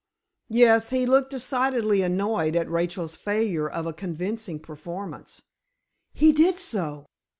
"Yes, he looked decidedly annoyed at Rachel's failure of a convincing performance." "He did so!